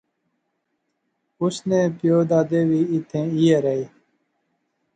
اس نے پیو دادے وی ایتھیں ایہہ رہے